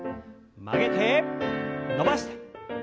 曲げて伸ばして。